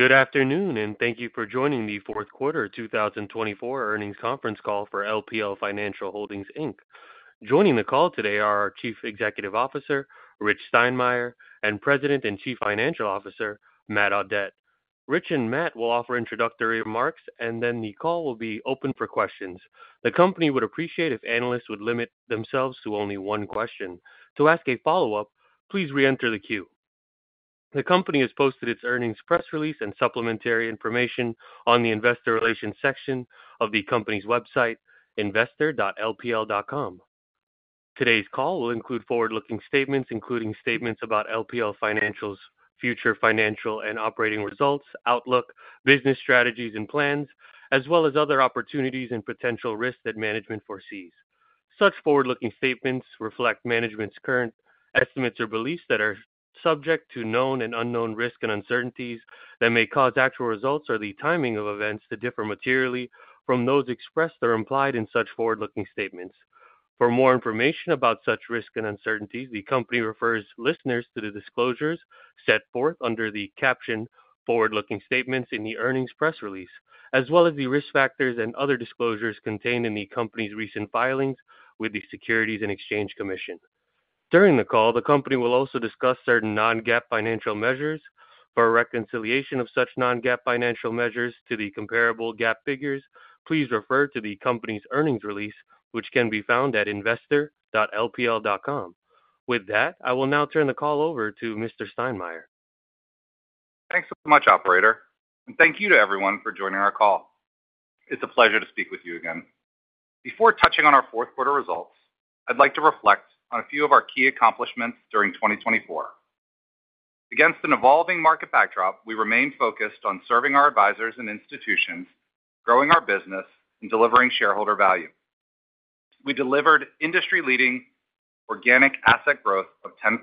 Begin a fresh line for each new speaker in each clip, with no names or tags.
Good afternoon, and thank you for joining the fourth quarter 2024 earnings conference call for LPL Financial Holdings, Inc. Joining the call today are our Chief Executive Officer, Rich Steinmeier, and President and Chief Financial Officer, Matt Audette. Rich and Matt will offer introductory remarks, and then the call will be open for questions. The company would appreciate if analysts would limit themselves to only one question. To ask a follow-up, please re-enter the queue. The company has posted its earnings press release and supplementary information on the investor relations section of the company's website, investor.lpl.com. Today's call will include forward-looking statements, including statements about LPL Financial's future financial and operating results, outlook, business strategies and plans, as well as other opportunities and potential risks that management foresees. Such forward-looking statements reflect management's current estimates or beliefs that are subject to known and unknown risks and uncertainties that may cause actual results or the timing of events to differ materially from those expressed or implied in such forward-looking statements. For more information about such risks and uncertainties, the company refers listeners to the disclosures set forth under the caption "Forward-looking Statements" in the earnings press release, as well as the risk factors and other disclosures contained in the company's recent filings with the Securities and Exchange Commission. During the call, the company will also discuss certain non-GAAP financial measures. For reconciliation of such non-GAAP financial measures to the comparable GAAP figures, please refer to the company's earnings release, which can be found at investor.lpl.com. With that, I will now turn the call over to Mr. Steinmeier.
Thanks so much, Operator. And thank you to everyone for joining our call. It's a pleasure to speak with you again. Before touching on our fourth quarter results, I'd like to reflect on a few of our key accomplishments during 2024. Against an evolving market backdrop, we remained focused on serving our advisors and institutions, growing our business, and delivering shareholder value. We delivered industry-leading organic asset growth of 10%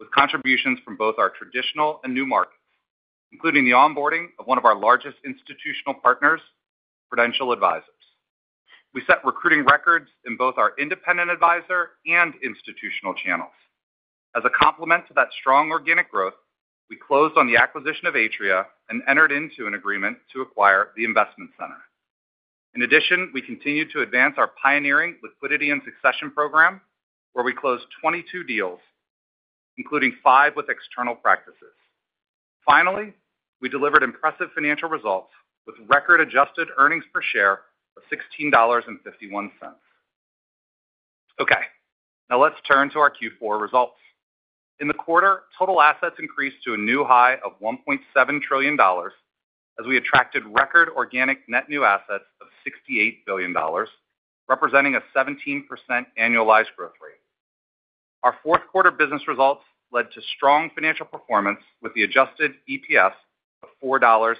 with contributions from both our traditional and new markets, including the onboarding of one of our largest institutional partners, Prudential Advisors. We set recruiting records in both our independent advisor and institutional channels. As a complement to that strong organic growth, we closed on the acquisition of Atria and entered into an agreement to acquire the Investment Center. In addition, we continued to advance our pioneering liquidity and succession program, where we closed 22 deals, including five with external practices. Finally, we delivered impressive financial results with record Adjusted Earnings Per Share of $16.51. Okay, now let's turn to our Q4 results. In the quarter, total assets increased to a new high of $1.7 trillion as we attracted record Organic Net New Assets of $68 billion, representing a 17% annualized growth rate. Our fourth quarter business results led to strong financial performance with the adjusted EPS of $4.25.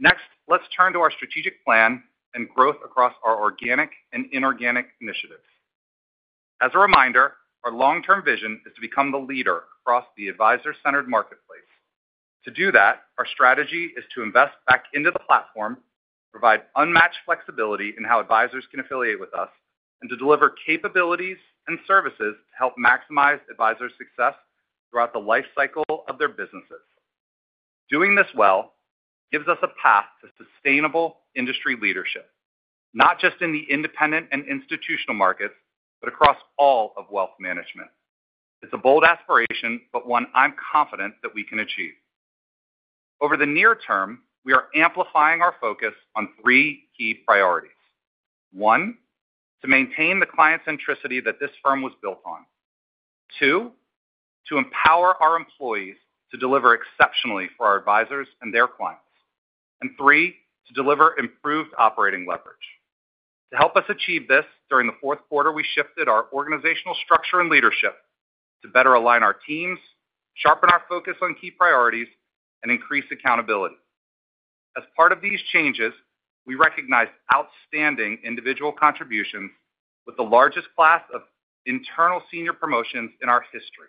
Next, let's turn to our strategic plan and growth across our organic and inorganic initiatives. As a reminder, our long-term vision is to become the leader across the advisor-centered marketplace. To do that, our strategy is to invest back into the platform, provide unmatched flexibility in how advisors can affiliate with us, and to deliver capabilities and services to help maximize advisor success throughout the life cycle of their businesses. Doing this well gives us a path to sustainable industry leadership, not just in the independent and institutional markets, but across all of wealth management. It's a bold aspiration, but one I'm confident that we can achieve. Over the near term, we are amplifying our focus on three key priorities: one, to maintain the client centricity that this firm was built on, two, to empower our employees to deliver exceptionally for our advisors and their clients, and three, to deliver improved operating leverage. To help us achieve this, during the fourth quarter, we shifted our organizational structure and leadership to better align our teams, sharpen our focus on key priorities, and increase accountability. As part of these changes, we recognize outstanding individual contributions with the largest class of internal senior promotions in our history.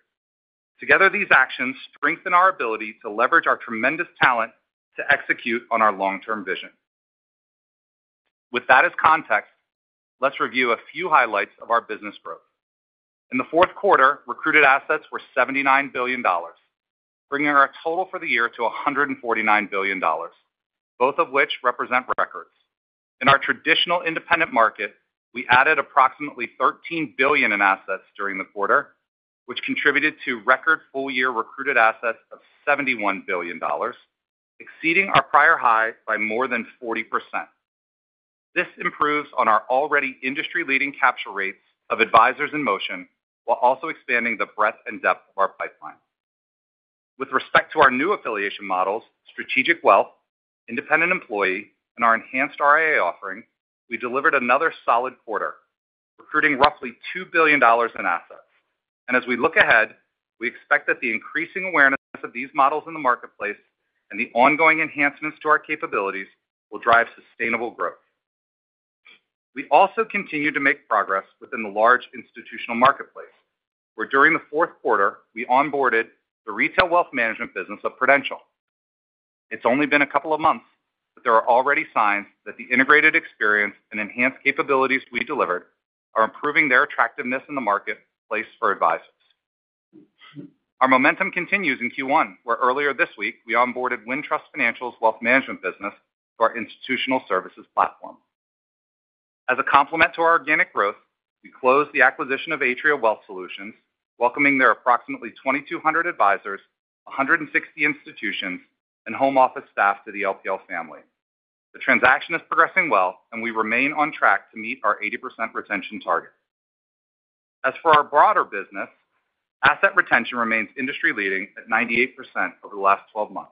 Together, these actions strengthen our ability to leverage our tremendous talent to execute on our long-term vision. With that as context, let's review a few highlights of our business growth. In the fourth quarter, recruited assets were $79 billion, bringing our total for the year to $149 billion, both of which represent records. In our traditional independent market, we added approximately $13 billion in assets during the quarter, which contributed to record full-year recruited assets of $71 billion, exceeding our prior high by more than 40%. This improves on our already industry-leading capture rates of advisors in motion while also expanding the breadth and depth of our pipeline. With respect to our new affiliation models, Strategic Wealth, Independent Employee, and our enhanced RIA offering, we delivered another solid quarter, recruiting roughly $2 billion in assets. And as we look ahead, we expect that the increasing awareness of these models in the marketplace and the ongoing enhancements to our capabilities will drive sustainable growth. We also continue to make progress within the large institutional marketplace, where during the fourth quarter, we onboarded the retail wealth management business of Prudential. It's only been a couple of months, but there are already signs that the integrated experience and enhanced capabilities we delivered are improving their attractiveness in the marketplace for advisors. Our momentum continues in Q1, where earlier this week, we onboarded Wintrust Financial's wealth management business to our institutional services platform. As a complement to our organic growth, we closed the acquisition of Atria Wealth Solutions, welcoming their approximately 2,200 advisors, 160 institutions, and home office staff to the LPL family. The transaction is progressing well, and we remain on track to meet our 80% retention target. As for our broader business, asset retention remains industry-leading at 98% over the last 12 months.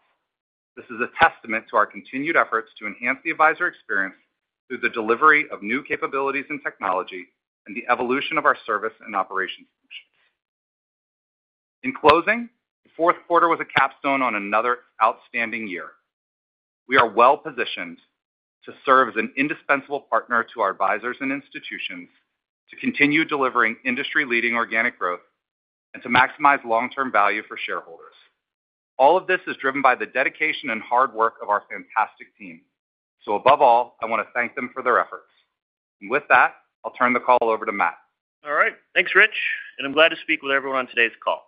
This is a testament to our continued efforts to enhance the advisor experience through the delivery of new capabilities and technology and the evolution of our service and operations functions. In closing, the fourth quarter was a capstone on another outstanding year. We are well positioned to serve as an indispensable partner to our advisors and institutions to continue delivering industry-leading organic growth and to maximize long-term value for shareholders. All of this is driven by the dedication and hard work of our fantastic team. So above all, I want to thank them for their efforts. And with that, I'll turn the call over to Matt.
All right. Thanks, Rich. And I'm glad to speak with everyone on today's call.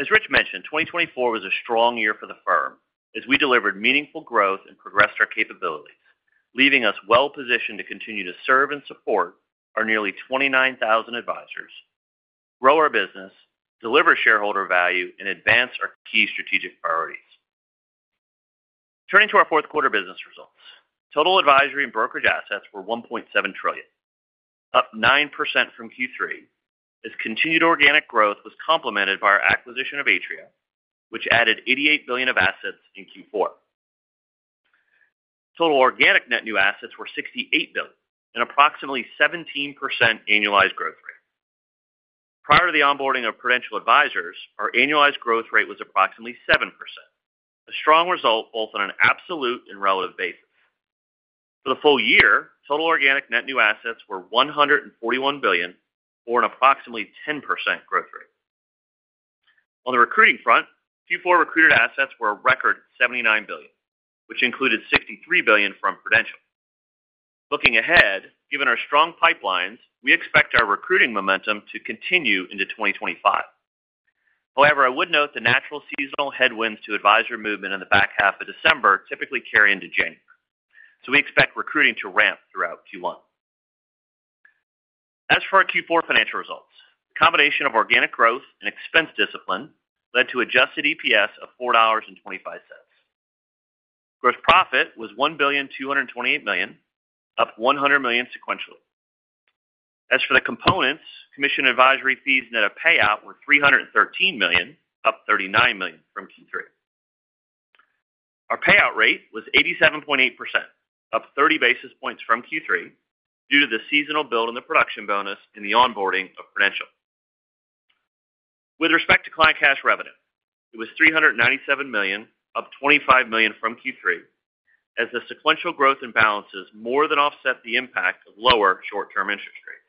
As Rich mentioned, 2024 was a strong year for the firm as we delivered meaningful growth and progressed our capabilities, leaving us well positioned to continue to serve and support our nearly 29,000 advisors, grow our business, deliver shareholder value, and advance our key strategic priorities. Turning to our fourth quarter business results, total advisory and brokerage assets were $1.7 trillion, up 9% from Q3, as continued organic growth was complemented by our acquisition of Atria, which added $88 billion of assets in Q4. Total organic net new assets were $68 billion, an approximately 17% annualized growth rate. Prior to the onboarding of Prudential Advisors, our annualized growth rate was approximately 7%, a strong result both on an absolute and relative basis. For the full year, total organic net new assets were $141 billion, or an approximately 10% growth rate. On the recruiting front, Q4 recruited assets were a record $79 billion, which included $63 billion from Prudential. Looking ahead, given our strong pipelines, we expect our recruiting momentum to continue into 2025. However, I would note the natural seasonal headwinds to advisor movement in the back half of December typically carry into January, so we expect recruiting to ramp throughout Q1. As for our Q4 financial results, the combination of organic growth and expense discipline led to adjusted EPS of $4.25. Gross profit was $1,228 million, up $100 million sequentially. As for the components, commission advisory fees net of payout were $313 million, up $39 million from Q3. Our payout rate was 87.8%, up 30 basis points from Q3 due to the seasonal build and the production bonus in the onboarding of Prudential. With respect to client cash revenue, it was $397 million, up $25 million from Q3, as the sequential growth imbalances more than offset the impact of lower short-term interest rates.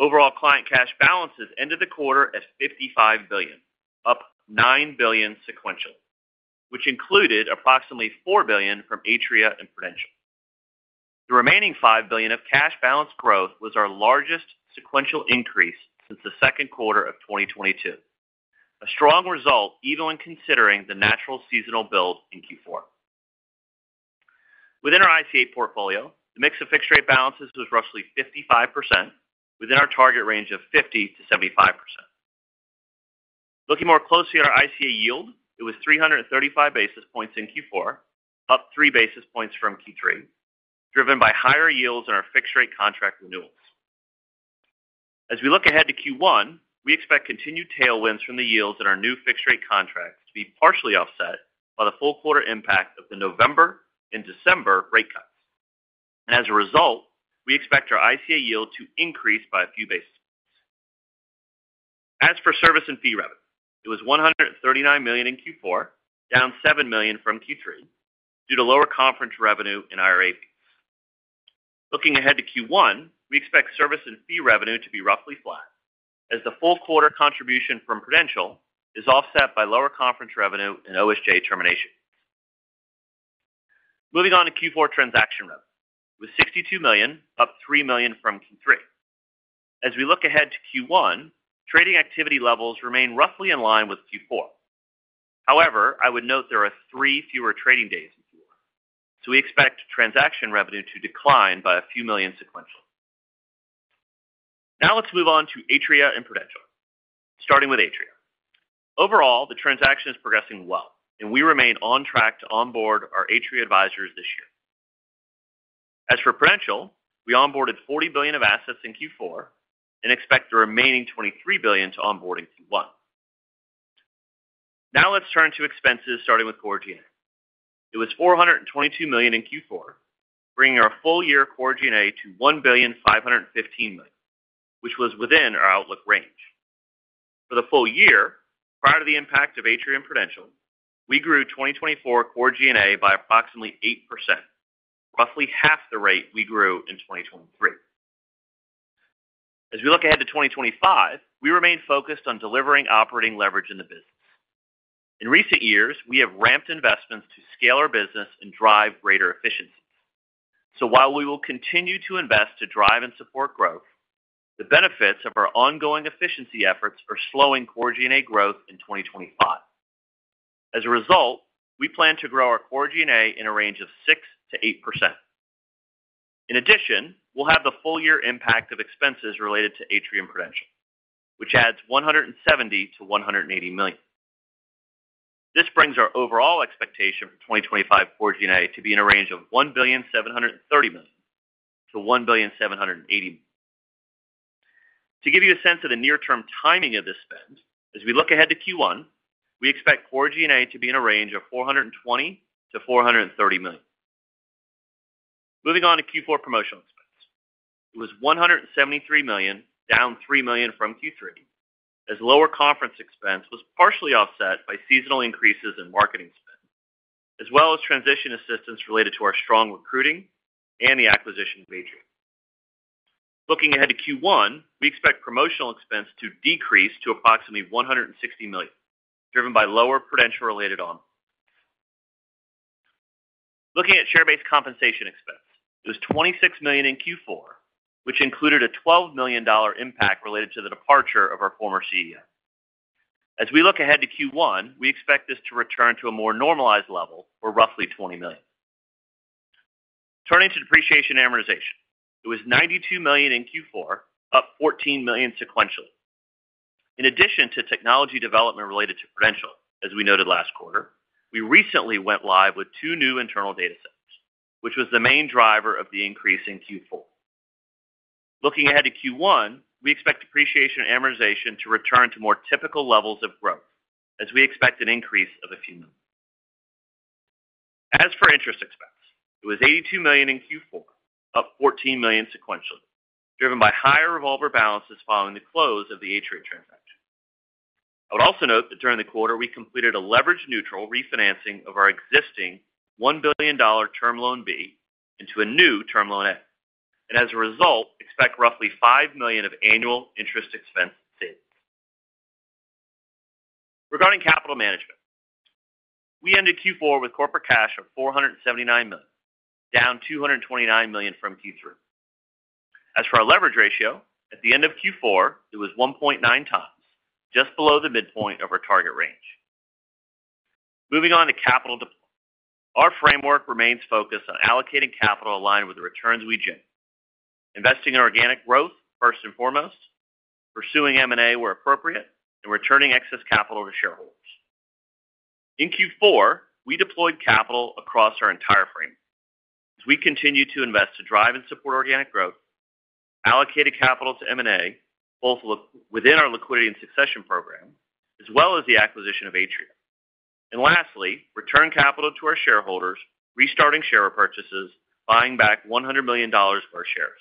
Overall, client cash balances ended the quarter at $55 billion, up $9 billion sequentially, which included approximately $4 billion from Atria and Prudential. The remaining $5 billion of cash balance growth was our largest sequential increase since the second quarter of 2022, a strong result even when considering the natural seasonal build in Q4. Within our ICA portfolio, the mix of fixed-rate balances was roughly 55%, within our target range of 50%-75%. Looking more closely at our ICA yield, it was 335 basis points in Q4, up 3 basis points from Q3, driven by higher yields on our fixed-rate contract renewals. As we look ahead to Q1, we expect continued tailwinds from the yields in our new fixed-rate contracts to be partially offset by the full quarter impact of the November and December rate cuts. And as a result, we expect our ICA yield to increase by a few basis points. As for service and fee revenue, it was $139 million in Q4, down $7 million from Q3 due to lower conference revenue and IRA fees. Looking ahead to Q1, we expect service and fee revenue to be roughly flat, as the full quarter contribution from Prudential is offset by lower conference revenue and OSJ termination fees. Moving on to Q4 transaction revenue, it was $62 million, up $3 million from Q3. As we look ahead to Q1, trading activity levels remain roughly in line with Q4. However, I would note there are three fewer trading days in Q1, so we expect transaction revenue to decline by a few million sequentially. Now let's move on to Atria and Prudential, starting with Atria. Overall, the transaction is progressing well, and we remain on track to onboard our Atria advisors this year. As for Prudential, we onboarded $40 billion of assets in Q4 and expect the remaining $23 billion to onboard in Q1. Now let's turn to expenses, starting with Core G&A. It was $422 million in Q4, bringing our full-year Core G&A to $1,515 million, which was within our outlook range. For the full year, prior to the impact of Atria and Prudential, we grew 2024 Core G&A by approximately 8%, roughly half the rate we grew in 2023. As we look ahead to 2025, we remain focused on delivering operating leverage in the business. In recent years, we have ramped investments to scale our business and drive greater efficiencies. So while we will continue to invest to drive and support growth, the benefits of our ongoing efficiency efforts are slowing Core G&A growth in 2025. As a result, we plan to grow our Core G&A in a range of 6%-8%. In addition, we'll have the full-year impact of expenses related to Atria and Prudential, which adds $170 million-$180 million. This brings our overall expectation for 2025 Core G&A to be in a range of $1,730 million-$1,780 million. To give you a sense of the near-term timing of this spend, as we look ahead to Q1, we expect Core G&A to be in a range of $420 million-$430 million. Moving on to Q4 promotional expense, it was $173 million, down $3 million from Q3, as lower conference expense was partially offset by seasonal increases in marketing spend, as well as transition assistance related to our strong recruiting and the acquisition of Atria. Looking ahead to Q1, we expect promotional expense to decrease to approximately $160 million, driven by lower Prudential-related onboarding. Looking at share-based compensation expense, it was $26 million in Q4, which included a $12 million impact related to the departure of our former CEO. As we look ahead to Q1, we expect this to return to a more normalized level for roughly $20 million. Turning to depreciation amortization, it was $92 million in Q4, up $14 million sequentially. In addition to technology development related to Prudential, as we noted last quarter, we recently went live with two new internal data centers, which was the main driver of the increase in Q4. Looking ahead to Q1, we expect depreciation amortization to return to more typical levels of growth, as we expect an increase of a few million. As for interest expense, it was $82 million in Q4, up $14 million sequentially, driven by higher revolver balances following the close of the Atria transaction. I would also note that during the quarter, we completed a leverage-neutral refinancing of our existing $1 billion term loan B into a new term loan A, and as a result, expect roughly $5 million of annual interest expense savings. Regarding capital management, we ended Q4 with corporate cash of $479 million, down $229 million from Q3. As for our leverage ratio, at the end of Q4, it was 1.9 times, just below the midpoint of our target range. Moving on to capital deployment, our framework remains focused on allocating capital aligned with the returns we generate, investing in organic growth first and foremost, pursuing M&A where appropriate, and returning excess capital to shareholders. In Q4, we deployed capital across our entire framework, as we continue to invest to drive and support organic growth, allocate capital to M&A, both within our Liquidity and Succession program, as well as the acquisition of Atria, and lastly, return capital to our shareholders, restarting share repurchases, buying back $100 million of our shares.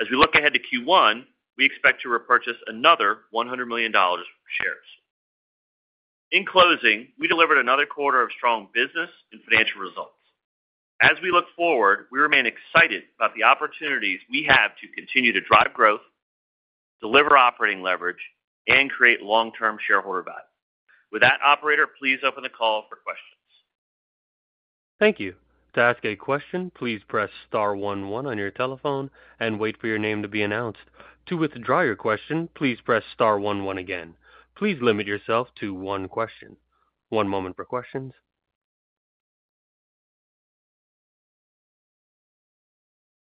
As we look ahead to Q1, we expect to repurchase another $100 million of our shares. In closing, we delivered another quarter of strong business and financial results. As we look forward, we remain excited about the opportunities we have to continue to drive growth, deliver operating leverage, and create long-term shareholder value. With that, operator, please open the call for questions.
Thank you. To ask a question, please press star one one on your telephone and wait for your name to be announced. To withdraw your question, please press star one one again. Please limit yourself to one question. One moment for questions.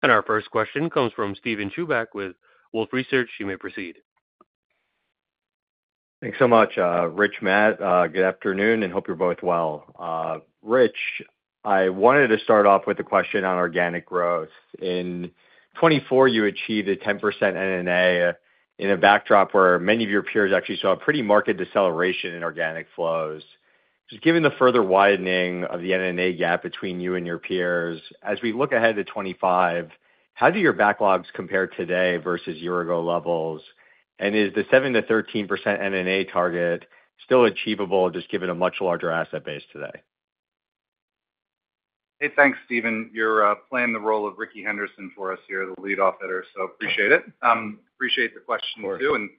And our first question comes from Steven Chubak with Wolfe Research. You may proceed.
Thanks so much, Rich, Matt. Good afternoon, and hope you're both well. Rich, I wanted to start off with a question on organic growth. In 2024, you achieved a 10% NNA in a backdrop where many of your peers actually saw a pretty marked deceleration in organic flows. Just given the further widening of the NNA gap between you and your peers, as we look ahead to 2025, how do your backlogs compare today versus years ago levels? And is the 7%-13% NNA target still achievable, just given a much larger asset base today?
Hey, thanks, Steven. You're playing the role of Rickey Henderson for us here, the lead operator, so appreciate it. Appreciate the question too, and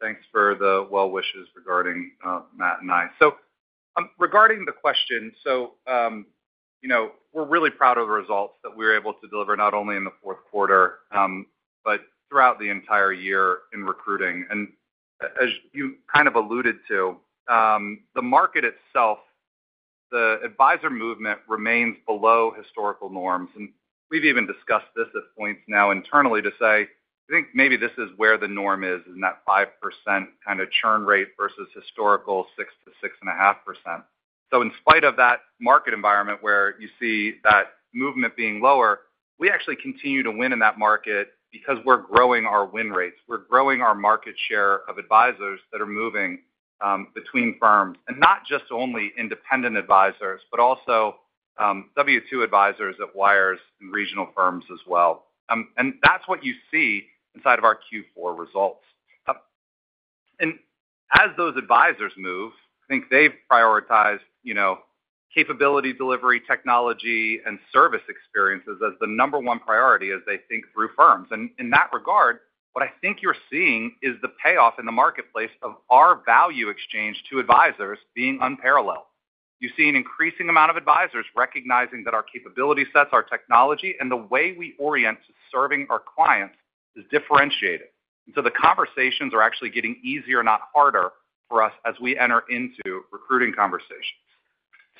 thanks for the well wishes regarding Matt and I. So regarding the question, we're really proud of the results that we were able to deliver not only in the fourth quarter but throughout the entire year in recruiting. And as you kind of alluded to, the market itself, the advisor movement remains below historical norms. And we've even discussed this at points now internally to say, "I think maybe this is where the norm is," in that 5% kind of churn rate versus historical 6%-6.5%. So in spite of that market environment where you see that movement being lower, we actually continue to win in that market because we're growing our win rates. We're growing our market share of advisors that are moving between firms, and not just only independent advisors, but also W-2 advisors at wirehouses and regional firms as well. And that's what you see inside of our Q4 results. And as those advisors move, I think they've prioritized capability delivery technology and service experiences as the number one priority as they think through firms. And in that regard, what I think you're seeing is the payoff in the marketplace of our value exchange to advisors being unparalleled. You see an increasing amount of advisors recognizing that our capability sets, our technology, and the way we orient to serving our clients is differentiated. And so the conversations are actually getting easier, not harder, for us as we enter into recruiting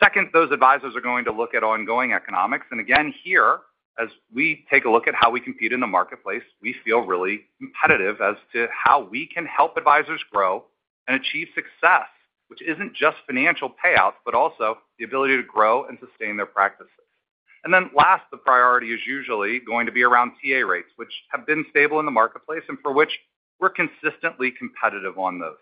conversations. Second, those advisors are going to look at ongoing economics. And again, here, as we take a look at how we compete in the marketplace, we feel really competitive as to how we can help advisors grow and achieve success, which isn't just financial payouts, but also the ability to grow and sustain their practices. And then last, the priority is usually going to be around TA rates, which have been stable in the marketplace and for which we're consistently competitive on those.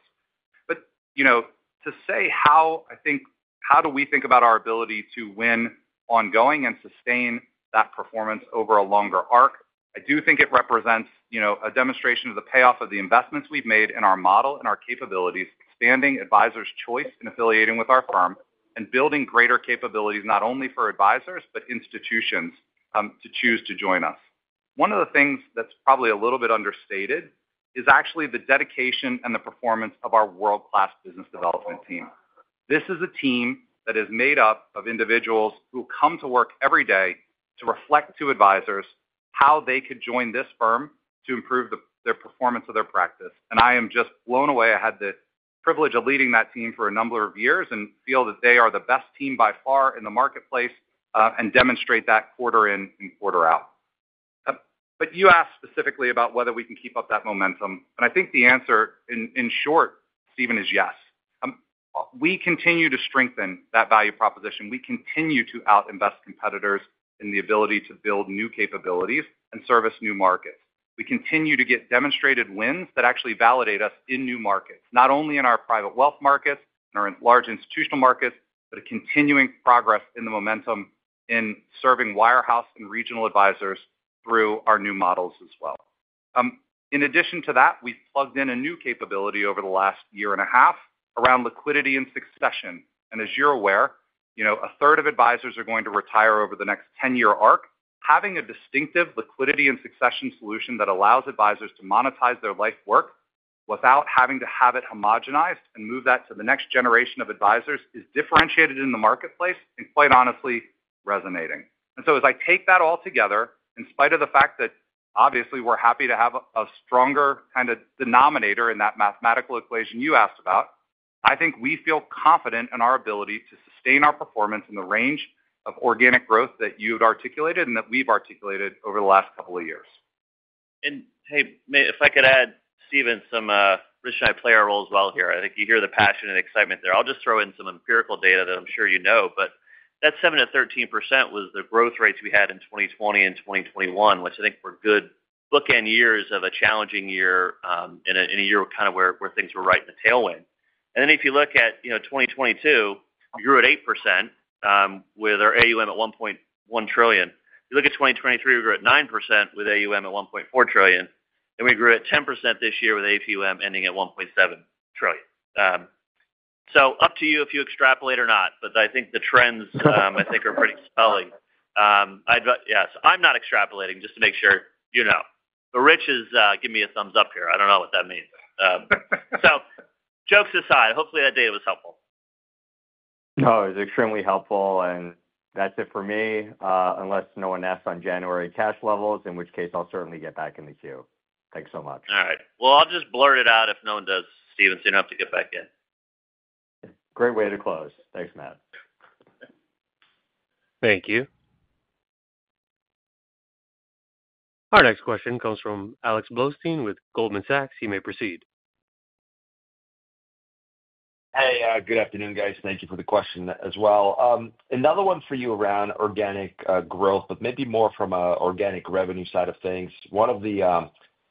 But to say how I think how do we think about our ability to win ongoing and sustain that performance over a longer arc, I do think it represents a demonstration of the payoff of the investments we've made in our model and our capabilities, expanding advisors' choice in affiliating with our firm and building greater capabilities not only for advisors, but institutions to choose to join us. One of the things that's probably a little bit understated is actually the dedication and the performance of our world-class business development team. This is a team that is made up of individuals who come to work every day to reflect to advisors how they could join this firm to improve the performance of their practice, and I am just blown away. I had the privilege of leading that team for a number of years and feel that they are the best team by far in the marketplace and demonstrate that quarter in and quarter out, but you asked specifically about whether we can keep up that momentum, and I think the answer, in short, Steven, is yes. We continue to strengthen that value proposition. We continue to out-invest competitors in the ability to build new capabilities and service new markets. We continue to get demonstrated wins that actually validate us in new markets, not only in our private wealth markets and our large institutional markets, but a continuing progress in the momentum in serving wirehouse and regional advisors through our new models as well. In addition to that, we've plugged in a new capability over the last year and a half around liquidity and succession. As you're aware, a third of advisors are going to retire over the next 10-year arc. Having a distinctive liquidity and succession solution that allows advisors to monetize their life work without having to have it homogenized and move that to the next generation of advisors is differentiated in the marketplace and quite honestly resonating. And so as I take that all together, in spite of the fact that obviously we're happy to have a stronger kind of denominator in that mathematical equation you asked about, I think we feel confident in our ability to sustain our performance in the range of organic growth that you've articulated and that we've articulated over the last couple of years.
Hey, if I could add, Steven, so Rich and I play our role as well here. I think you hear the passion and excitement there. I'll just throw in some empirical data that I'm sure you know, but that 7% to 13% was the growth rates we had in 2020 and 2021, which I think were good bookend years of a challenging year and a year kind of where things were right in the tailwind. Then if you look at 2022, we grew at 8% with our AUM at $1.1 trillion. If you look at 2023, we grew at 9% with AUM at $1.4 trillion, and we grew at 10% this year with AUM ending at $1.7 trillion. Up to you if you extrapolate or not, but I think the trends I think are pretty compelling. Yes, I'm not extrapolating just to make sure you know. But Rich is giving me a thumbs up here. I don't know what that means. So jokes aside, hopefully that data was helpful.
No, it was extremely helpful, and that's it for me, unless no one asks on January cash levels, in which case I'll certainly get back in the queue. Thanks so much.
All right. Well, I'll just blurt it out if no one does, Steven, so you don't have to get back in.
Great way to close. Thanks, Matt.
Thank you.
Our next question comes from Alex Blostein with Goldman Sachs. He may proceed.
Hey, good afternoon, guys. Thank you for the question as well. Another one for you around organic growth, but maybe more from an organic revenue side of things. One of the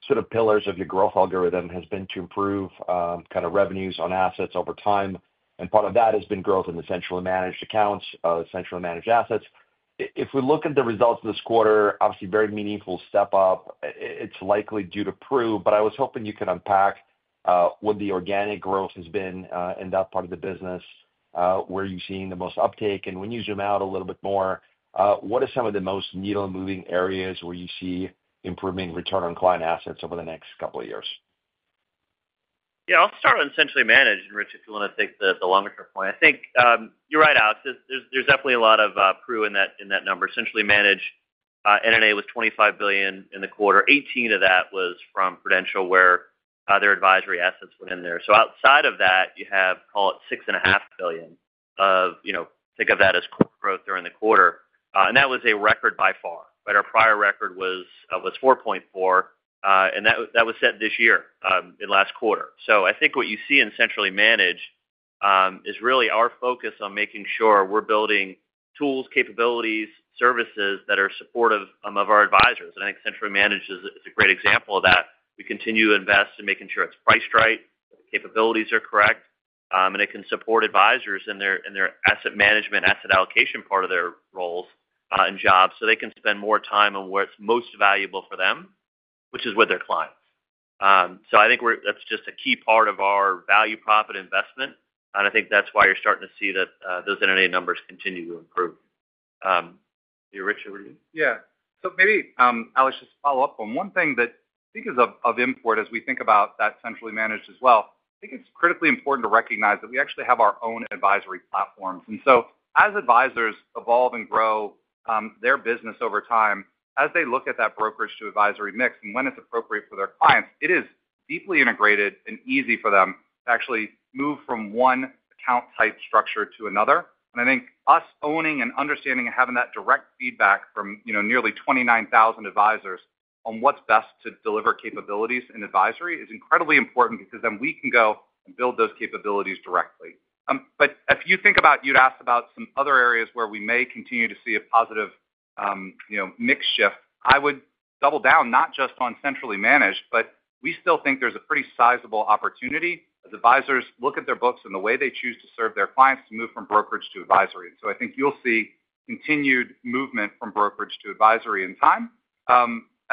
sort of pillars of your growth algorithm has been to improve kind of revenues on assets over time. And part of that has been growth in the centrally managed accounts, centrally managed assets. If we look at the results this quarter, obviously very meaningful step up. It's likely due to Pru, but I was hoping you could unpack what the organic growth has been in that part of the business, where you're seeing the most uptake. And when you zoom out a little bit more, what are some of the most needle-moving areas where you see improving return on client assets over the next couple of years?
Yeah, I'll start on centrally managed, Rich, if you want to take the longer point. I think you're right, Alex. There's definitely a lot of prove in that number. Centrally managed N&A was $25 billion in the quarter. $18 billion of that was from Prudential where their advisory assets went in there. So outside of that, you have call it $6.5 billion of think of that as growth during the quarter. And that was a record by far, but our prior record was $4.4 billion, and that was set this year in last quarter. So I think what you see in centrally managed is really our focus on making sure we're building tools, capabilities, services that are supportive of our advisors. And I think centrally managed is a great example of that. We continue to invest in making sure it's priced right, the capabilities are correct, and it can support advisors in their asset management, asset allocation part of their roles and jobs so they can spend more time on where it's most valuable for them, which is with their clients. So I think that's just a key part of our value prop investment. And I think that's why you're starting to see that those N&A numbers continue to improve. Yeah, Rich, over to you.
Yeah. So maybe, Alex, just follow up on one thing that I think is of import as we think about that centrally managed as well. I think it's critically important to recognize that we actually have our own advisory platforms. And so as advisors evolve and grow their business over time, as they look at that brokerage to advisory mix and when it's appropriate for their clients, it is deeply integrated and easy for them to actually move from one account type structure to another. And I think us owning and understanding and having that direct feedback from nearly 29,000 advisors on what's best to deliver capabilities in advisory is incredibly important because then we can go and build those capabilities directly. But if you think about you'd asked about some other areas where we may continue to see a positive mix shift, I would double down not just on centrally managed, but we still think there's a pretty sizable opportunity as advisors look at their books and the way they choose to serve their clients to move from brokerage to advisory. And so I think you'll see continued movement from brokerage to advisory in time.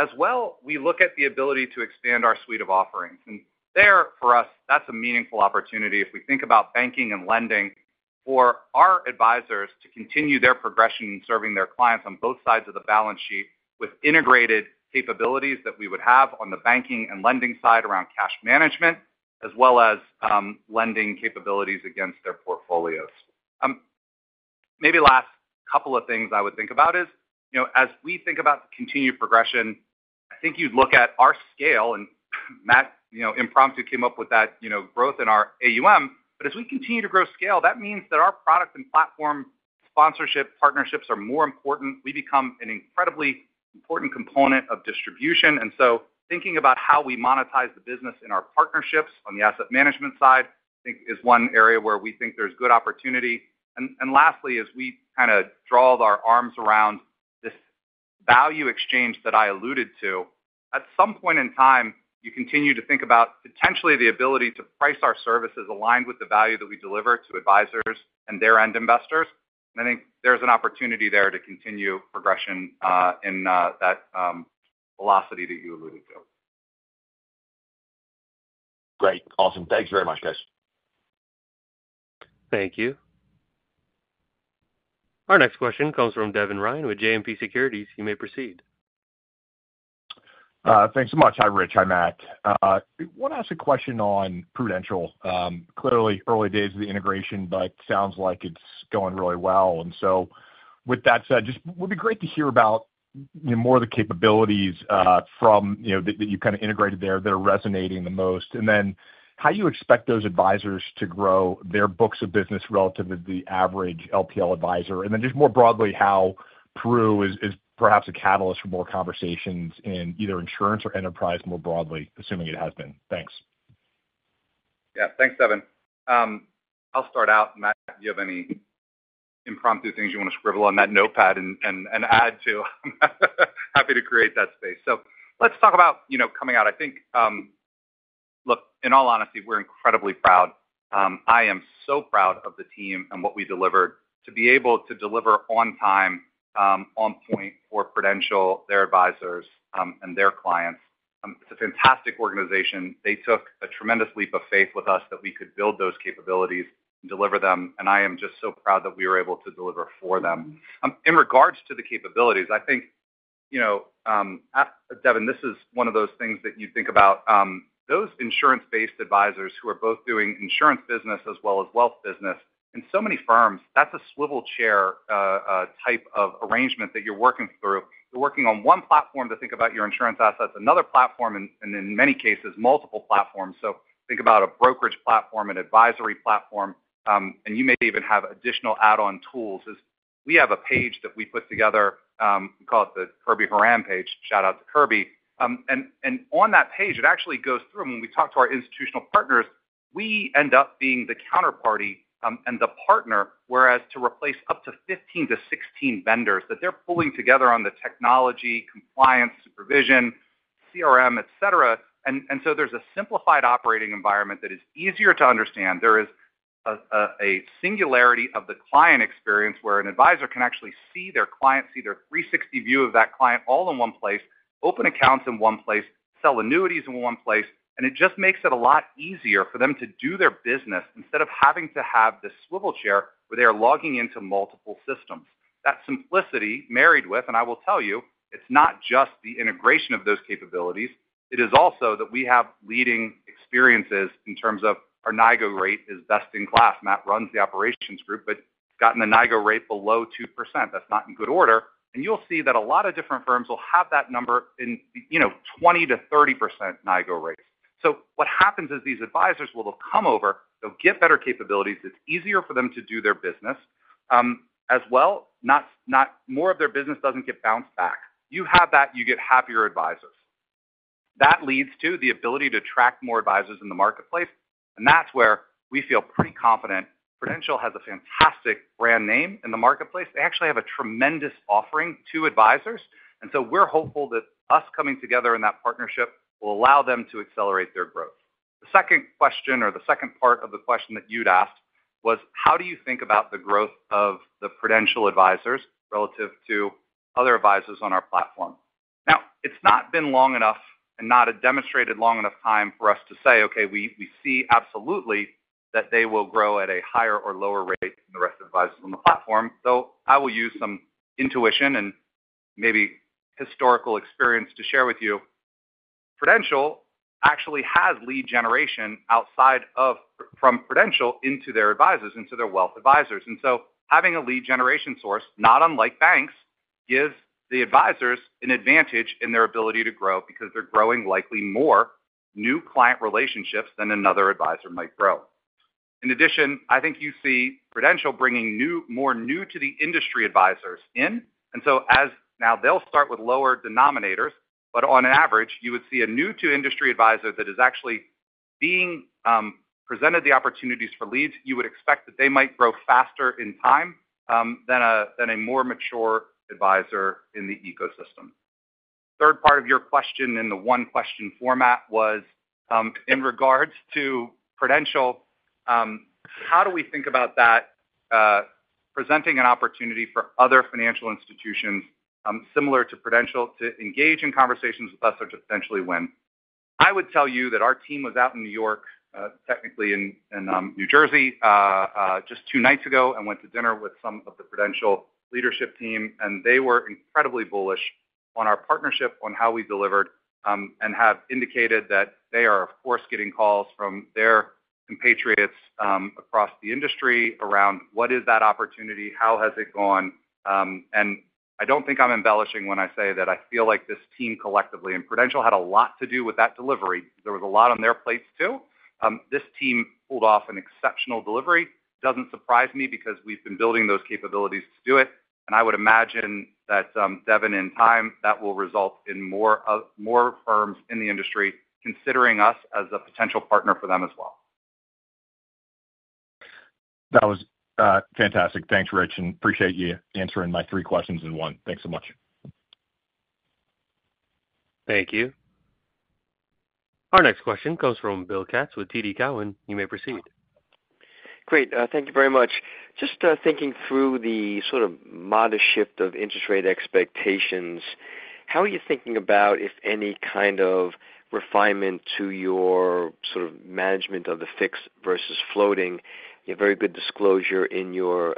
As well, we look at the ability to expand our suite of offerings. And there, for us, that's a meaningful opportunity if we think about banking and lending for our advisors to continue their progression in serving their clients on both sides of the balance sheet with integrated capabilities that we would have on the banking and lending side around cash management, as well as lending capabilities against their portfolios. Maybe last couple of things I would think about is as we think about the continued progression. I think you'd look at our scale. And Matt, impromptu, came up with that growth in our AUM. And as we continue to grow scale, that means that our product and platform sponsorship partnerships are more important. We become an incredibly important component of distribution. And so thinking about how we monetize the business in our partnerships on the asset management side, I think is one area where we think there's good opportunity. And lastly, as we kind of wrap our arms around this value exchange that I alluded to, at some point in time, you continue to think about potentially the ability to price our services aligned with the value that we deliver to advisors and their end investors. I think there's an opportunity there to continue progression in that velocity that you alluded to.
Great. Awesome. Thanks very much, guys.
Thank you. Our next question comes from Devin Ryan with JMP Securities. You may proceed.
Thanks so much. Hi, Rich and Matt. I want to ask a question on Prudential. Clearly, early days of the integration, but it sounds like it's going really well. And so with that said, just would be great to hear about more of the capabilities that you kind of integrated there that are resonating the most. And then how you expect those advisors to grow their books of business relative to the average LPL advisor. And then just more broadly, how Pru is perhaps a catalyst for more conversations in either insurance or enterprise more broadly, assuming it has been. Thanks.
Yeah. Thanks, Devin. I'll start out. Matt, do you have any impromptu things you want to scribble on that notepad and add to? Happy to create that space. So let's talk about coming out. I think, look, in all honesty, we're incredibly proud. I am so proud of the team and what we delivered to be able to deliver on time, on point for Prudential, their advisors, and their clients. It's a fantastic organization. They took a tremendous leap of faith with us that we could build those capabilities and deliver them. And I am just so proud that we were able to deliver for them. In regards to the capabilities, I think, Devin, this is one of those things that you think about. Those insurance-based advisors who are both doing insurance business as well as wealth business in so many firms, that's a swivel chair type of arrangement that you're working through. You're working on one platform to think about your insurance assets, another platform, and in many cases, multiple platforms, so think about a brokerage platform, an advisory platform, and you may even have additional add-on tools. We have a page that we put together. We call it the Kirby Horan page. Shout out to Kirby, and on that page, it actually goes through, and when we talk to our institutional partners, we end up being the counterparty and the partner, whereas to replace up to 15-16 vendors that they're pulling together on the technology, compliance, supervision, CRM, etc., and so there's a simplified operating environment that is easier to understand. There is a singularity of the client experience where an advisor can actually see their client, see their 360 view of that client all in one place, open accounts in one place, sell annuities in one place. It just makes it a lot easier for them to do their business instead of having to have this swivel chair where they are logging into multiple systems. That simplicity married with, and I will tell you, it's not just the integration of those capabilities. It is also that we have leading experiences in terms of our NIGO rate, which is best in class. Matt runs the operations group, but gotten the NIGO rate below 2%. That's not in good order. You'll see that a lot of different firms will have that number in 20%-30% NIGO rates. What happens is these advisors will come over. They'll get better capabilities. It's easier for them to do their business as well. More of their business doesn't get bounced back. You have that, you get happier advisors. That leads to the ability to attract more advisors in the marketplace. And that's where we feel pretty confident. Prudential has a fantastic brand name in the marketplace. They actually have a tremendous offering to advisors. And so we're hopeful that us coming together in that partnership will allow them to accelerate their growth. The second question or the second part of the question that you'd asked was, how do you think about the growth of the Prudential advisors relative to other advisors on our platform? Now, it's not been long enough and not a demonstrated long enough time for us to say, okay, we see absolutely that they will grow at a higher or lower rate than the rest of the advisors on the platform. Though I will use some intuition and maybe historical experience to share with you. Prudential actually has lead generation outside of from Prudential into their advisors, into their wealth advisors. And so having a lead generation source, not unlike banks, gives the advisors an advantage in their ability to grow because they're growing likely more new client relationships than another advisor might grow. In addition, I think you see Prudential bringing more new-to-the-industry advisors in. And so now they'll start with lower denominators, but on average, you would see a new-to-industry advisor that is actually being presented the opportunities for leads. You would expect that they might grow faster in time than a more mature advisor in the ecosystem. Third part of your question in the one-question format was in regards to Prudential, how do we think about that presenting an opportunity for other financial institutions similar to Prudential to engage in conversations with us or to potentially win? I would tell you that our team was out in New York, technically in New Jersey, just two nights ago and went to dinner with some of the Prudential leadership team, and they were incredibly bullish on our partnership, on how we delivered, and have indicated that they are, of course, getting calls from their compatriots across the industry around what is that opportunity, how has it gone. I don't think I'm embellishing when I say that I feel like this team collectively and Prudential had a lot to do with that delivery. There was a lot on their plates too. This team pulled off an exceptional delivery. Doesn't surprise me because we've been building those capabilities to do it. I would imagine that, Devin, in time, that will result in more firms in the industry considering us as a potential partner for them as well.
That was fantastic. Thanks, Rich. And appreciate you answering my three questions in one. Thanks so much.
Thank you. Our next question comes from Bill Katz with TD Cowen. You may proceed.
Great. Thank you very much. Just thinking through the sort of modest shift of interest rate expectations, how are you thinking about, if any, kind of refinement to your sort of management of the fixed versus floating? You have very good disclosure in your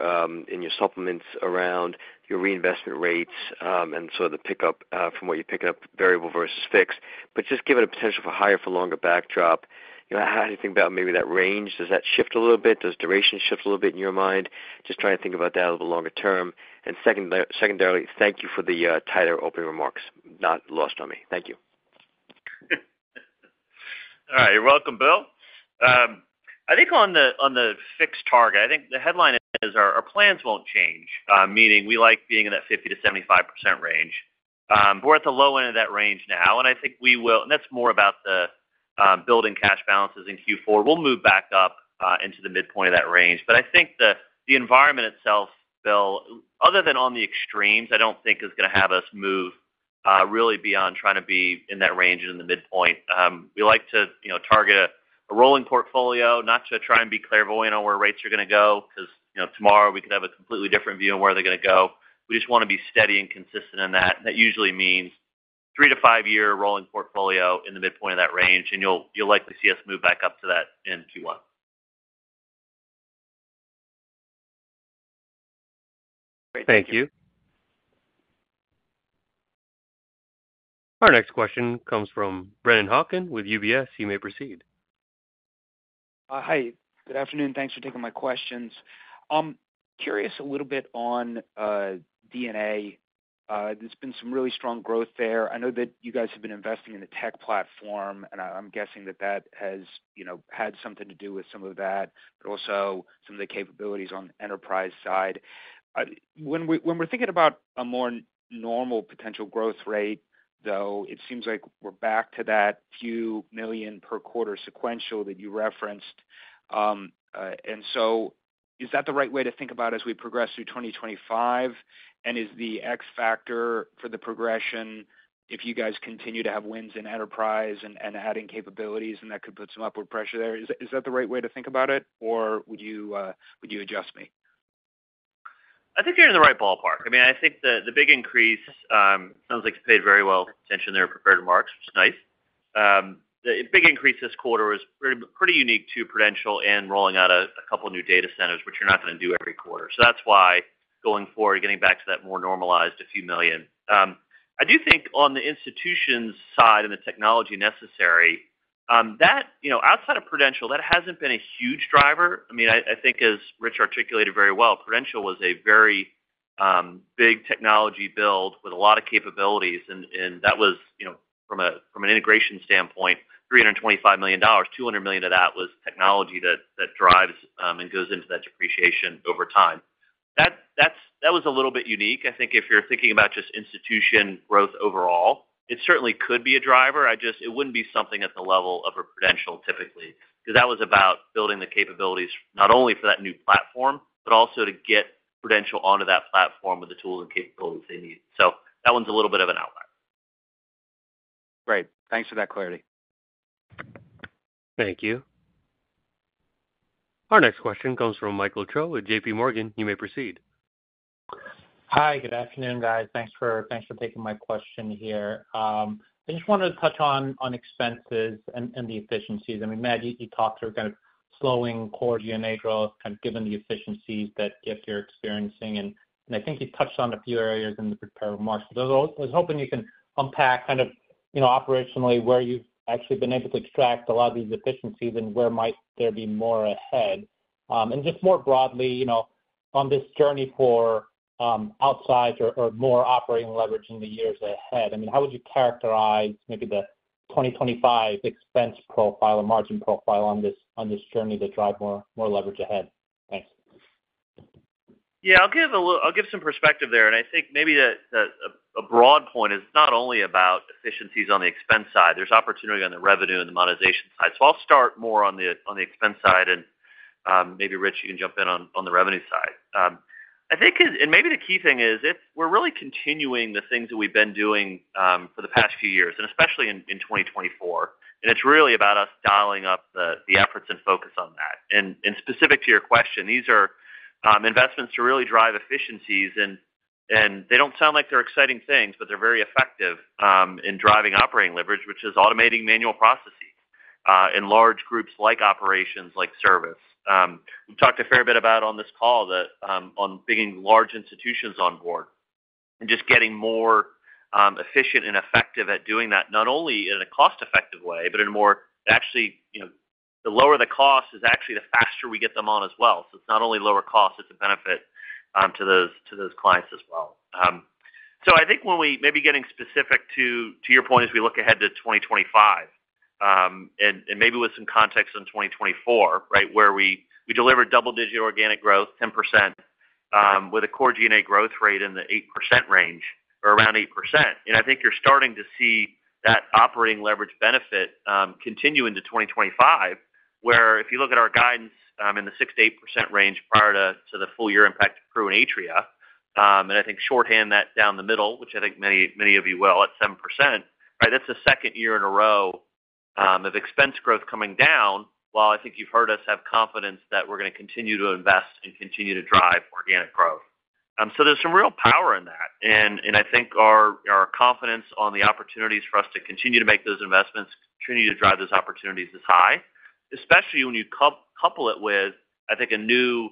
supplements around your reinvestment rates and sort of the pickup from what you pick up, variable versus fixed. But just given a potential for higher for longer backdrop, how do you think about maybe that range? Does that shift a little bit? Does duration shift a little bit in your mind? Just trying to think about that a little bit longer term. And secondarily, thank you for the tighter opening remarks. Not lost on me. Thank you.
All right. You're welcome, Bill. I think on the fixed target, I think the headline is our plans won't change, meaning we like being in that 50%-75% range. We're at the low end of that range now, and I think we will, and that's more about the building cash balances in Q4. We'll move back up into the midpoint of that range, but I think the environment itself, Bill, other than on the extremes, I don't think is going to have us move really beyond trying to be in that range and in the midpoint. We like to target a rolling portfolio, not to try and be clairvoyant on where rates are going to go because tomorrow we could have a completely different view on where they're going to go. We just want to be steady and consistent in that. That usually means three- to five-year rolling portfolio in the midpoint of that range, and you'll likely see us move back up to that in Q1.
Thank you. Our next question comes from Brennan Hawken with UBS. You may proceed.
Hi. Good afternoon. Thanks for taking my questions. I'm curious a little bit on D&A. There's been some really strong growth there. I know that you guys have been investing in the tech platform, and I'm guessing that that has had something to do with some of that, but also some of the capabilities on the enterprise side. When we're thinking about a more normal potential growth rate, though, it seems like we're back to that few million per quarter sequential that you referenced. So is that the right way to think about as we progress through 2025? And is the X factor for the progression, if you guys continue to have wins in enterprise and adding capabilities, and that could put some upward pressure there, is that the right way to think about it, or would you adjust me?
I think you're in the right ballpark. I mean, I think the big increase sounds like it's paid very well attention there in prepared remarks, which is nice. The big increase this quarter is pretty unique to Prudential and rolling out a couple of new data centers, which you're not going to do every quarter. So that's why going forward, getting back to that more normalized a few million. I do think on the institution's side and the technology necessary, outside of Prudential, that hasn't been a huge driver. I mean, I think, as Rich articulated very well, Prudential was a very big technology build with a lot of capabilities. And that was, from an integration standpoint, $325 million. $200 million of that was technology that drives and goes into that depreciation over time. That was a little bit unique. I think if you're thinking about just institutional growth overall, it certainly could be a driver. It wouldn't be something at the level of a Prudential typically because that was about building the capabilities not only for that new platform, but also to get Prudential onto that platform with the tools and capabilities they need. So that one's a little bit of an outlier.
Great. Thanks for that clarity.
Thank you. Our next question comes from Michael Cho with JPMorgan. You may proceed.
Hi. Good afternoon, guys. Thanks for taking my question here. I just wanted to touch on expenses and the efficiencies. I mean, Matt, you talked to kind of slowing core G&A growth, kind of given the efficiencies that you're experiencing. And I think you touched on a few areas in the prepared remarks. I was hoping you can unpack kind of operationally where you've actually been able to extract a lot of these efficiencies and where might there be more ahead. And just more broadly, on this journey for outsize or more operating leverage in the years ahead, I mean, how would you characterize maybe the 2025 expense profile or margin profile on this journey to drive more leverage ahead? Thanks.
Yeah, I'll give some perspective there, and I think maybe a broad point is it's not only about efficiencies on the expense side. There's opportunity on the revenue and the monetization side, so I'll start more on the expense side, and maybe Rich, you can jump in on the revenue side, and maybe the key thing is we're really continuing the things that we've been doing for the past few years, and especially in 2024, and it's really about us dialing up the efforts and focus on that, and specific to your question, these are investments to really drive efficiencies, and they don't sound like they're exciting things, but they're very effective in driving operating leverage, which is automating manual processes in large groups like operations, like service. We've talked a fair bit about on this call that on bringing large institutions on board and just getting more efficient and effective at doing that, not only in a cost-effective way, but in a more actually, the lower the cost is actually the faster we get them on as well. So it's not only lower cost, it's a benefit to those clients as well. So I think when we maybe getting specific to your point as we look ahead to 2025, and maybe with some context in 2024, right, where we delivered double-digit organic growth, 10%, with a core Core G&A growth rate in the 8% range or around 8%. I think you're starting to see that operating leverage benefit continue into 2025, where if you look at our guidance in the 6%-8% range prior to the full-year impact of Pru and Atria, and I think shorthand that down the middle, which I think many of you will at 7%, right, that's the second year in a row of expense growth coming down while I think you've heard us have confidence that we're going to continue to invest and continue to drive organic growth. So there's some real power in that. I think our confidence on the opportunities for us to continue to make those investments, continue to drive those opportunities is high, especially when you couple it with, I think, a new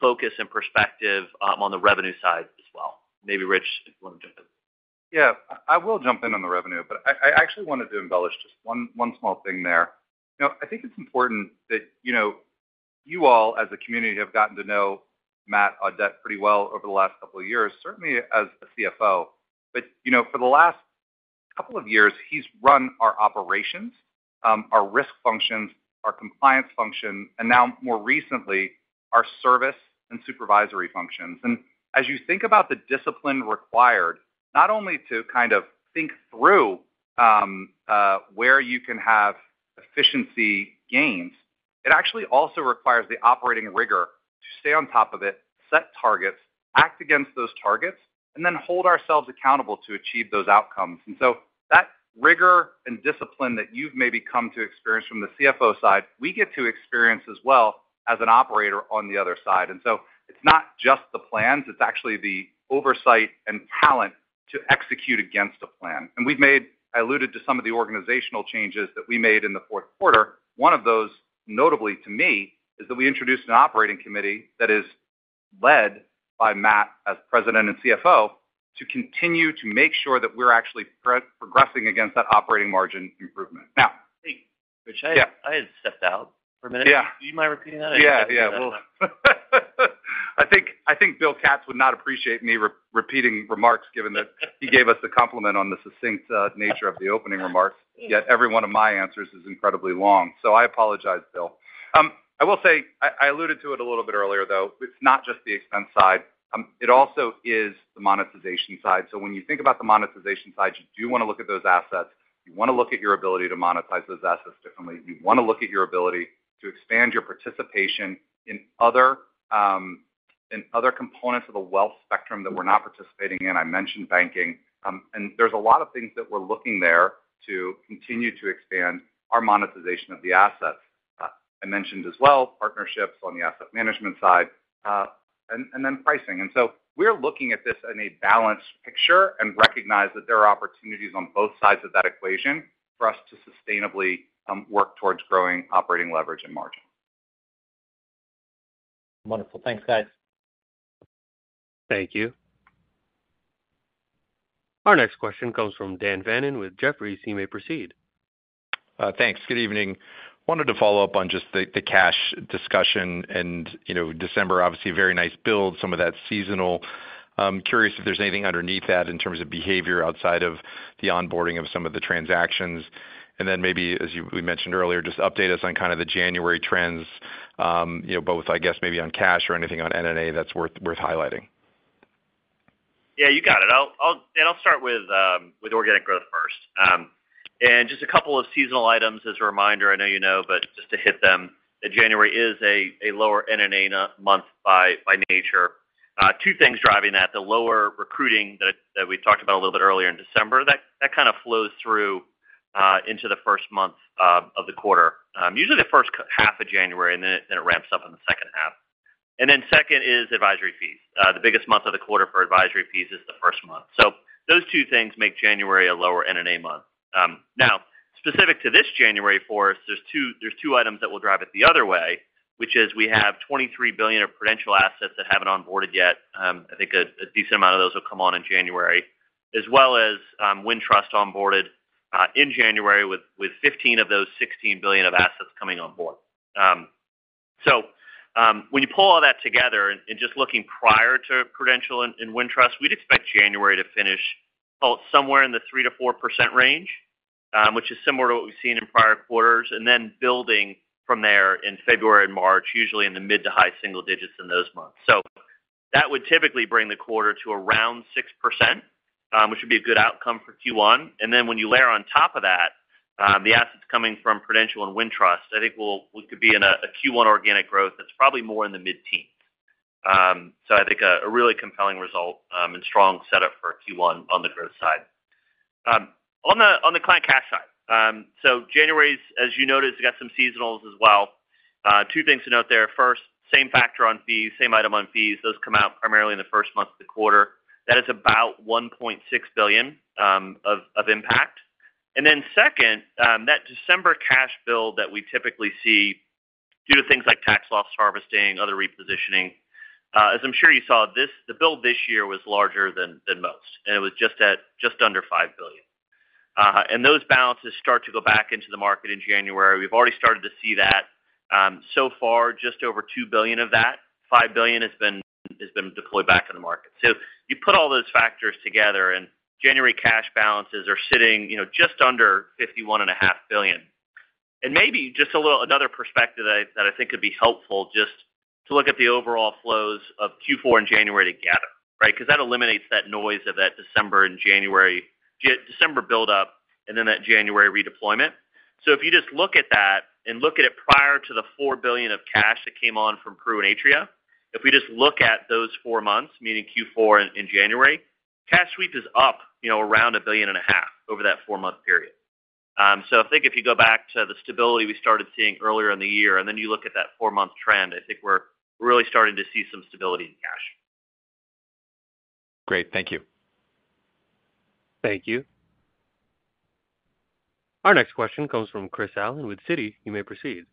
focus and perspective on the revenue side as well. Maybe Rich, if you want to jump in.
Yeah. I will jump in on the revenue, but I actually wanted to embellish just one small thing there. I think it's important that you all as a community have gotten to know Matt Audette pretty well over the last couple of years, certainly as a CFO. But for the last couple of years, he's run our operations, our risk functions, our compliance function, and now more recently, our service and supervisory functions. And as you think about the discipline required, not only to kind of think through where you can have efficiency gains, it actually also requires the operating rigor to stay on top of it, set targets, act against those targets, and then hold ourselves accountable to achieve those outcomes. And so that rigor and discipline that you've maybe come to experience from the CFO side, we get to experience as well as an operator on the other side. And so it's not just the plans. It's actually the oversight and talent to execute against a plan. And we've made. I alluded to some of the organizational changes that we made in the fourth quarter. One of those, notably to me, is that we introduced an operating committee that is led by Matt as President and CFO to continue to make sure that we're actually progressing against that operating margin improvement now.
Hey, Rich, I had stepped out for a minute. Do you mind repeating that?
Yeah. Yeah. I think Bill Katz would not appreciate me repeating remarks given that he gave us a compliment on the succinct nature of the opening remarks, yet every one of my answers is incredibly long. So I apologize, Bill. I will say I alluded to it a little bit earlier, though. It's not just the expense side. It also is the monetization side. So when you think about the monetization side, you do want to look at those assets. You want to look at your ability to monetize those assets differently. You want to look at your ability to expand your participation in other components of the wealth spectrum that we're not participating in. I mentioned banking. And there's a lot of things that we're looking there to continue to expand our monetization of the assets. I mentioned as well partnerships on the asset management side and then pricing. And so we're looking at this in a balanced picture and recognize that there are opportunities on both sides of that equation for us to sustainably work towards growing operating leverage and margin. Wonderful. Thanks, guys.
Thank you.
Our next question comes from Dan Fannon with Jefferies. He may proceed.
Thanks. Good evening. Wanted to follow up on just the cash discussion and December, obviously, very nice build, some of that seasonal. Curious if there's anything underneath that in terms of behavior outside of the onboarding of some of the transactions? And then maybe, as we mentioned earlier, just update us on kind of the January trends, both, I guess, maybe on cash or anything on NNA that's worth highlighting.
Yeah. You got it. And I'll start with organic growth first. And just a couple of seasonal items as a reminder. I know you know, but just to hit them, January is a lower NNA month by nature. Two things driving that: the lower recruiting that we talked about a little bit earlier in December. That kind of flows through into the first month of the quarter, usually the first half of January, and then it ramps up in the second half. And then second is advisory fees. The biggest month of the quarter for advisory fees is the first month. So those two things make January a lower NNA month. Now, specific to this January for us, there's two items that will drive it the other way, which is, we have $23 billion of Prudential assets that haven't onboarded yet. I think a decent amount of those will come on in January, as well as Wintrust onboarded in January with $15 billion of those $16 billion of assets coming on board. So when you pull all that together and just looking prior to Prudential and Wintrust, we'd expect January to finish somewhere in the 3%-4% range, which is similar to what we've seen in prior quarters, and then building from there in February and March, usually in the mid- to high-single-digits in those months. So that would typically bring the quarter to around 6%, which would be a good outcome for Q1. And then when you layer on top of that, the assets coming from Prudential and Wintrust, I think we could be in a Q1 organic growth that's probably more in the mid-teens. So I think a really compelling result and strong setup for Q1 on the growth side. On the client cash side, so January's, as you noticed, got some seasonals as well. Two things to note there. First, same factor on fees, same item on fees. Those come out primarily in the first month of the quarter. That is about $1.6 billion of impact. And then second, that December cash build that we typically see due to things like tax loss harvesting, other repositioning, as I'm sure you saw, the build this year was larger than most, and it was just under $5 billion. And those balances start to go back into the market in January. We've already started to see that. So far, just over $2 billion of that $5 billion has been deployed back in the market. You put all those factors together, and January cash balances are sitting just under $51.5 billion. Maybe just another perspective that I think would be helpful just to look at the overall flows of Q4 and January together, right, because that eliminates that noise of that December and January buildup and then that January redeployment. If you just look at that and look at it prior to the $4 billion of cash that came on from Pru and Atria, if we just look at those four months, meaning Q4 and January, cash sweep is up around $1.5 billion over that four-month period. I think if you go back to the stability we started seeing earlier in the year, and then you look at that four-month trend, I think we're really starting to see some stability in cash.
Great. Thank you.
Thank you. Our next question comes from Chris Allen with Citi. You may proceed.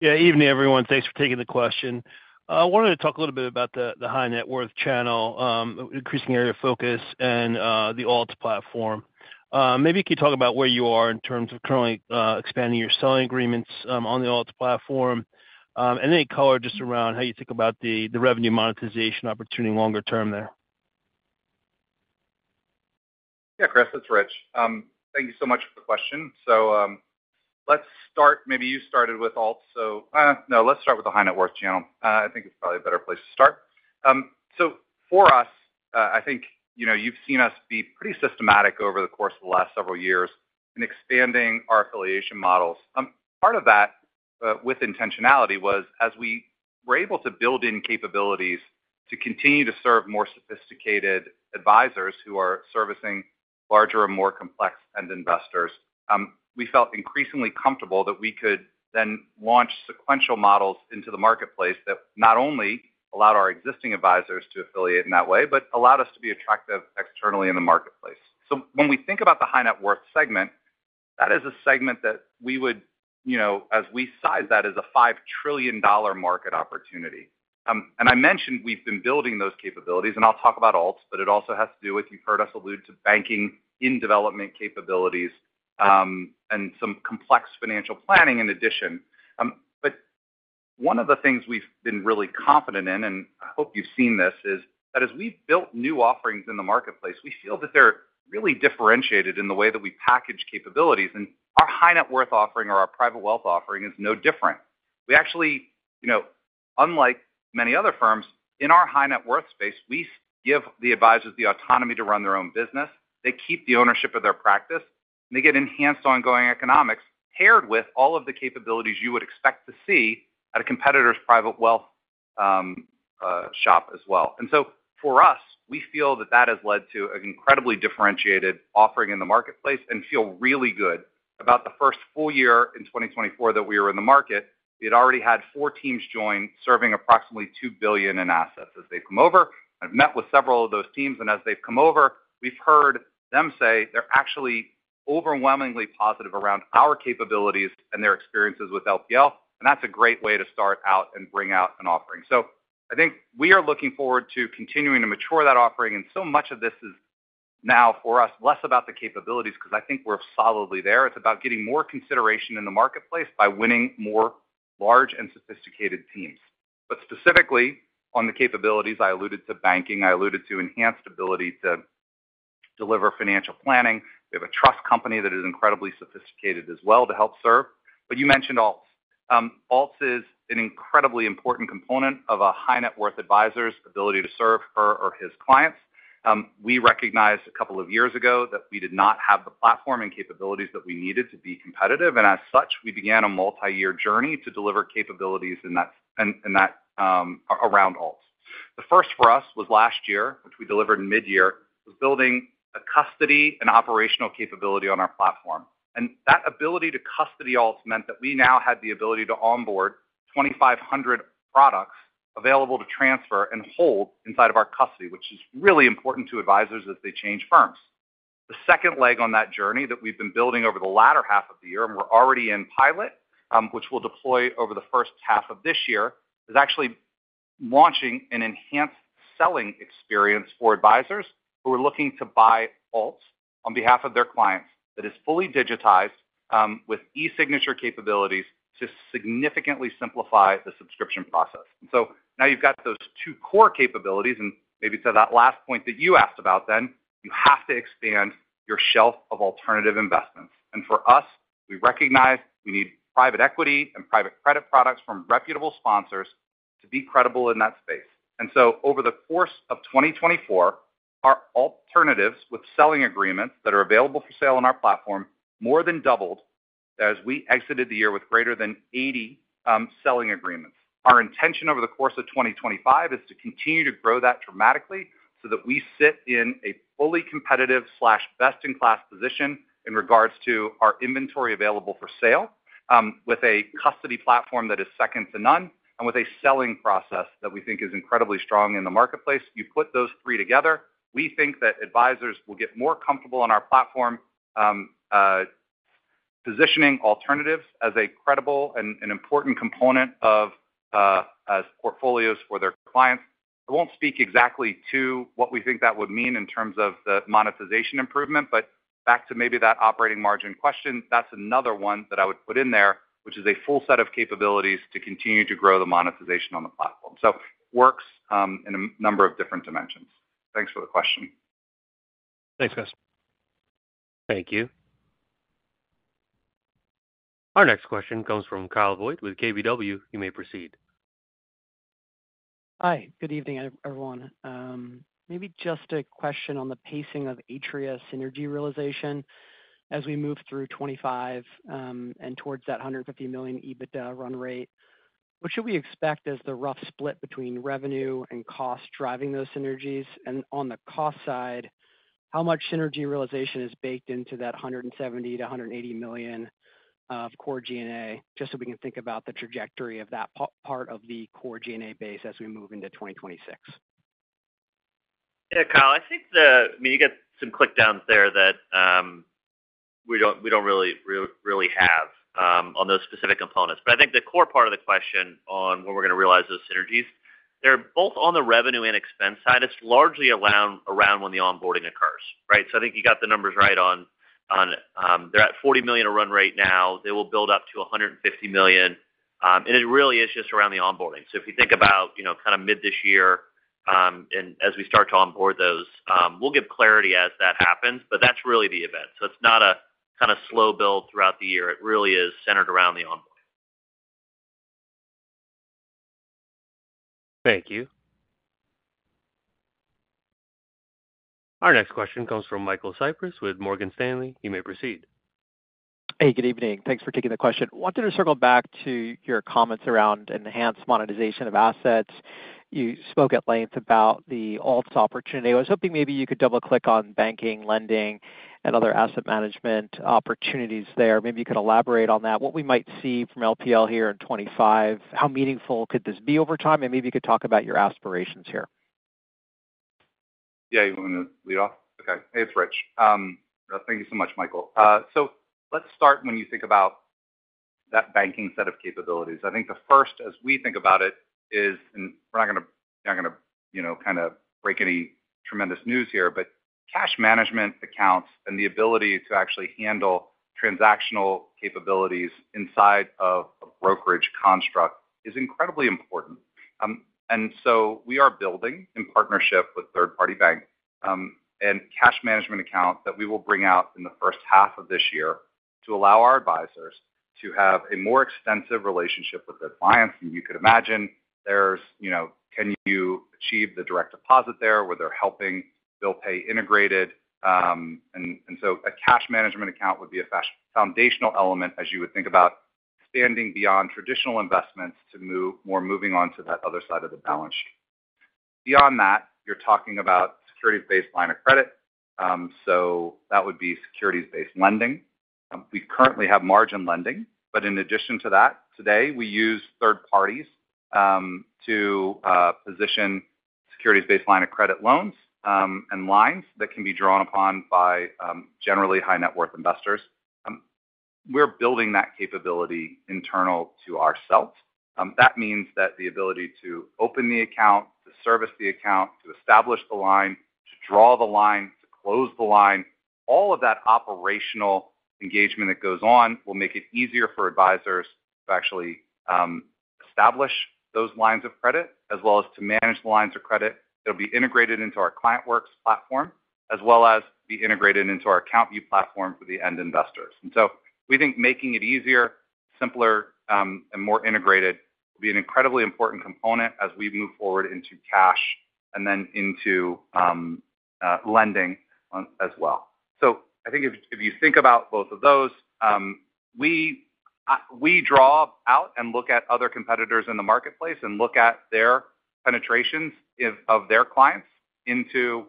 Yeah. Evening, everyone. Thanks for taking the question. I wanted to talk a little bit about the high net worth channel, increasing area of focus, and the alts platform. Maybe you could talk about where you are in terms of currently expanding your selling agreements on the alts platform and any color just around how you think about the revenue monetization opportunity longer term there.
Yeah, Chris, it's Rich. Thank you so much for the question. So let's start. Maybe you started with alts. So no, let's start with the high net worth channel. I think it's probably a better place to start. So for us, I think you've seen us be pretty systematic over the course of the last several years in expanding our affiliation models. Part of that with intentionality was as we were able to build in capabilities to continue to serve more sophisticated advisors who are servicing larger and more complex end investors. We felt increasingly comfortable that we could then launch sequential models into the marketplace that not only allowed our existing advisors to affiliate in that way, but allowed us to be attractive externally in the marketplace. When we think about the high net worth segment, that is a segment that we would, as we size that, as a $5 trillion market opportunity. I mentioned we've been building those capabilities, and I'll talk about alts, but it also has to do with you've heard us allude to banking and development capabilities and some complex financial planning in addition. One of the things we've been really confident in, and I hope you've seen this, is that as we've built new offerings in the marketplace, we feel that they're really differentiated in the way that we package capabilities. Our high net worth offering or our private wealth offering is no different. We actually, unlike many other firms, in our high net worth space, we give the advisors the autonomy to run their own business. They keep the ownership of their practice, and they get enhanced ongoing economics paired with all of the capabilities you would expect to see at a competitor's private wealth shop as well, and so for us, we feel that that has led to an incredibly differentiated offering in the marketplace and feel really good about the first full year in 2024 that we were in the market. We had already had four teams join serving approximately $2 billion in assets as they've come over. I've met with several of those teams, and as they've come over, we've heard them say they're actually overwhelmingly positive around our capabilities and their experiences with LPL. And that's a great way to start out and bring out an offering, so I think we are looking forward to continuing to mature that offering. And so much of this is now for us less about the capabilities because I think we're solidly there. It's about getting more consideration in the marketplace by winning more large and sophisticated teams. But specifically on the capabilities, I alluded to banking. I alluded to enhanced ability to deliver financial planning. We have a trust company that is incredibly sophisticated as well to help serve. But you mentioned alts. Alts is an incredibly important component of a high net worth advisor's ability to serve her or his clients. We recognized a couple of years ago that we did not have the platform and capabilities that we needed to be competitive. And as such, we began a multi-year journey to deliver capabilities around alts. The first for us was last year, which we delivered in mid-year, was building a custody and operational capability on our platform. That ability to custody alts meant that we now had the ability to onboard 2,500 products available to transfer and hold inside of our custody, which is really important to advisors as they change firms. The second leg on that journey that we've been building over the latter half of the year, and we're already in pilot, which we'll deploy over the first half of this year, is actually launching an enhanced selling experience for advisors who are looking to buy alts on behalf of their clients that is fully digitized with e-signature capabilities to significantly simplify the subscription process. So now you've got those two core capabilities. Maybe to that last point that you asked about, then you have to expand your shelf of alternative investments. And for us, we recognize we need private equity and private credit products from reputable sponsors to be credible in that space. And so over the course of 2024, our alternatives with selling agreements that are available for sale on our platform more than doubled as we exited the year with greater than 80 selling agreements. Our intention over the course of 2025 is to continue to grow that dramatically so that we sit in a fully competitive/best-in-class position in regards to our inventory available for sale with a custody platform that is second to none and with a selling process that we think is incredibly strong in the marketplace. You put those three together, we think that advisors will get more comfortable on our platform positioning alternatives as a credible and important component of portfolios for their clients. I won't speak exactly to what we think that would mean in terms of the monetization improvement, but back to maybe that operating margin question, that's another one that I would put in there, which is a full set of capabilities to continue to grow the monetization on the platform. So it works in a number of different dimensions. Thanks for the question.
Thanks, Rich.
Thank you.
Our next question comes from Kyle Voigt with KBW. You may proceed.
Hi. Good evening, everyone. Maybe just a question on the pacing of Atria synergy realization as we move through 2025 and towards that $150 million EBITDA run rate. What should we expect as the rough split between revenue and cost driving those synergies? And on the cost side, how much synergy realization is baked into that $170-$180 million of core G&A just so we can think about the trajectory of that part of the core G&A base as we move into 2026?
Yeah, Kyle, I think the, I mean, you get some click downs there that we don't really have on those specific components. But I think the core part of the question on what we're going to realize those synergies, they're both on the revenue and expense side. It's largely around when the onboarding occurs, right? So I think you got the numbers right on they're at $40 million a run rate now. They will build up to $150 million. And it really is just around the onboarding. So if you think about kind of mid this year and as we start to onboard those, we'll get clarity as that happens, but that's really the event. So it's not a kind of slow build throughout the year. It really is centered around the onboarding.
Thank you.
Our next question comes from Michael Cyprys with Morgan Stanley. You may proceed.
Hey, good evening. Thanks for taking the question. Wanted to circle back to your comments around enhanced monetization of assets. You spoke at length about the alts opportunity. I was hoping maybe you could double-click on banking, lending, and other asset management opportunities there. Maybe you could elaborate on that. What we might see from LPL here in 2025, how meaningful could this be over time? And maybe you could talk about your aspirations here.
Yeah, you want to lead off? Okay. Hey, it's Rich. Thank you so much, Michael. So let's start when you think about that banking set of capabilities. I think the first, as we think about it, is and we're not going to kind of break any tremendous news here but cash management accounts and the ability to actually handle transactional capabilities inside of a brokerage construct is incredibly important. And so we are building in partnership with third-party bank and cash management account that we will bring out in the first half of this year to allow our advisors to have a more extensive relationship with their clients than you could imagine. There's can you achieve the direct deposit there where they're helping bill pay integrated? A cash management account would be a foundational element as you would think about expanding beyond traditional investments to more, moving on to that other side of the balance sheet. Beyond that, you're talking about securities-based line of credit. So that would be securities-based lending. We currently have margin lending, but in addition to that, today we use third parties to position securities-based line of credit loans and lines that can be drawn upon by generally high net worth investors. We're building that capability internal to ourselves. That means that the ability to open the account, to service the account, to establish the line, to draw the line, to close the line, all of that operational engagement that goes on will make it easier for advisors to actually establish those lines of credit as well as to manage the lines of credit that will be integrated into our ClientWorks platform as well as be integrated into our AccountView platform for the end investors. And so we think making it easier, simpler, and more integrated will be an incredibly important component as we move forward into cash and then into lending as well. So I think if you think about both of those, we draw out and look at other competitors in the marketplace and look at their penetrations of their clients into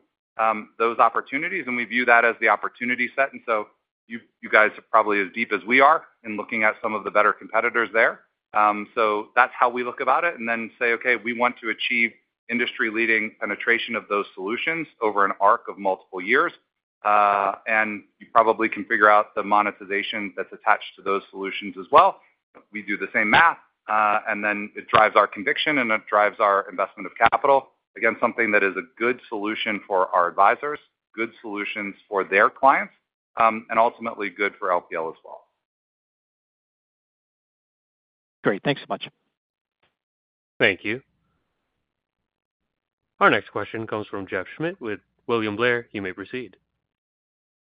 those opportunities. And we view that as the opportunity set. And so you guys are probably as deep as we are in looking at some of the better competitors there. So that's how we look about it. And then say, "Okay, we want to achieve industry-leading penetration of those solutions over an arc of multiple years." And you probably can figure out the monetization that's attached to those solutions as well. We do the same math. And then it drives our conviction, and it drives our investment of capital. Again, something that is a good solution for our advisors, good solutions for their clients, and ultimately good for LPL as well.
Great. Thanks so much.
Thank you.
Our next question comes from Jeff Schmitt with William Blair. You may proceed.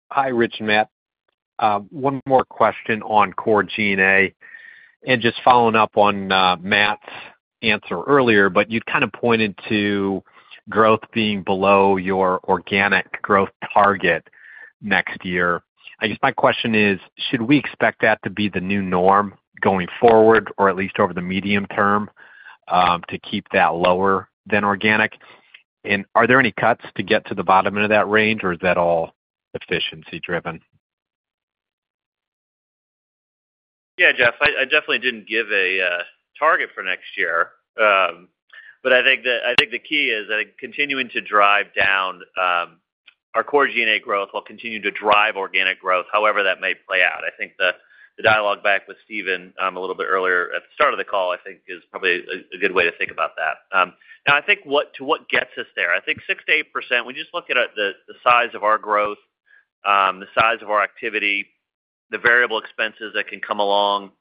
Hi, Rich and Matt. One more question on Core G&A. And just following up on Matt's answer earlier, but you'd kind of pointed to growth being below your organic growth target next year. I guess my question is, should we expect that to be the new norm going forward or at least over the medium term to keep that lower than organic? And are there any cuts to get to the bottom end of that range, or is that all efficiency-driven?
Yeah, Jeff, I definitely didn't give a target for next year. But I think the key is I think continuing to drive down our Core G&A growth will continue to drive organic growth, however that may play out. I think the dialogue back with Steven a little bit earlier at the start of the call, I think, is probably a good way to think about that. Now, I think to what gets us there, I think 6%-8%, we just look at the size of our growth, the size of our activity, the variable expenses that can come along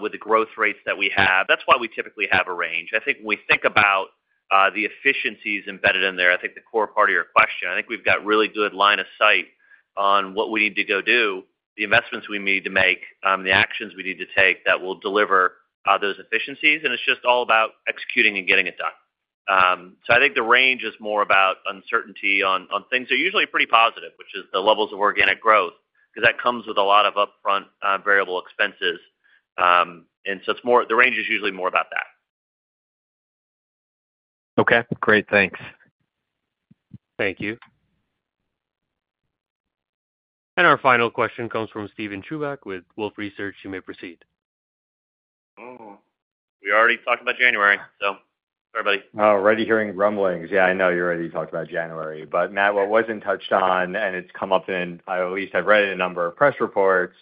with the growth rates that we have. That's why we typically have a range. I think when we think about the efficiencies embedded in there, I think the core part of your question, I think we've got a really good line of sight on what we need to go do, the investments we need to make, the actions we need to take that will deliver those efficiencies. And it's just all about executing and getting it done. So I think the range is more about uncertainty on things that are usually pretty positive, which is the levels of organic growth because that comes with a lot of upfront variable expenses. And so the range is usually more about that.
Okay. Great. Thanks.
Thank you.
And our final question comes from Steven Chubak with Wolfe Research. You may proceed.
We already talked about January, so everybody. Already hearing rumblings. Yeah, I know you already talked about January. But Matt, what wasn't touched on, and it's come up, and I at least have read a number of press reports,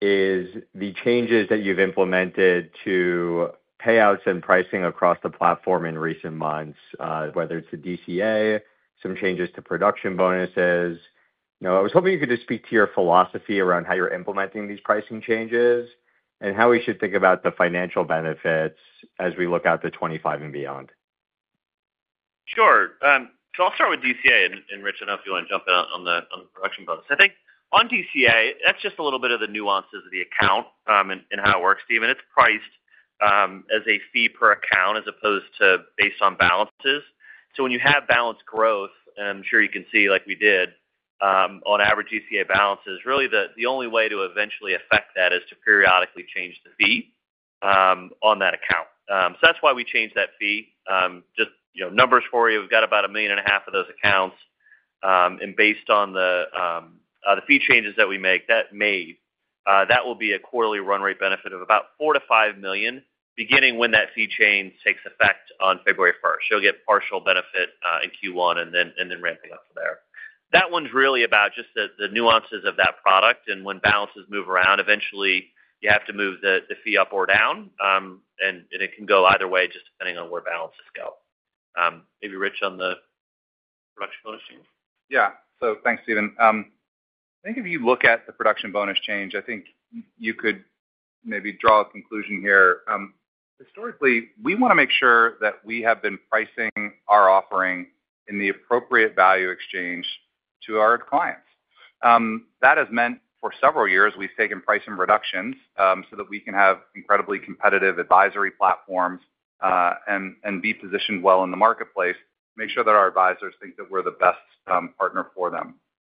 is the changes that you've implemented to payouts and pricing across the platform in recent months, whether it's the DCA, some changes to production bonuses. I was hoping you could just speak to your philosophy around how you're implementing these pricing changes and how we should think about the financial benefits as we look at 2025 and beyond.
Sure. So I'll start with DCA, and Rich, I don't know if you want to jump in on the production bonus. I think on DCA, that's just a little bit of the nuances of the account and how it works, Steven. It's priced as a fee per account as opposed to based on balances. So when you have balance growth, and I'm sure you can see like we did on average DCA balances, really the only way to eventually affect that is to periodically change the fee on that account. So that's why we changed that fee. Just numbers for you. We've got about 1.5 million of those accounts. And based on the fee changes that we make, that will be a quarterly run rate benefit of about $4 million-$5 million beginning when that fee change takes effect on February 1st. You'll get partial benefit in Q1 and then ramping up from there. That one's really about just the nuances of that product. And when balances move around, eventually you have to move the fee up or down. And it can go either way just depending on where balances go. Maybe Rich on the production bonus change?
Yeah. So thanks, Steven. I think if you look at the production bonus change, I think you could maybe draw a conclusion here. Historically, we want to make sure that we have been pricing our offering in the appropriate value exchange to our clients. That has meant for several years, we've taken price reductions so that we can have incredibly competitive advisory platforms and be positioned well in the marketplace, make sure that our advisors think that we're the best partner for them.